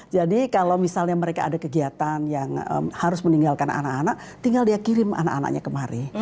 jadi kalau misalnya mereka ada kegiatan yang harus meninggalkan anak anak tinggal dia kirim anak anaknya kemari